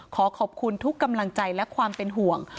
ขอขอบคุณทุกกำลังใจและความเป็นห่วง